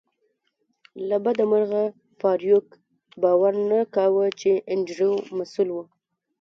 له بده مرغه فارویک باور نه کاوه چې انډریو مسؤل دی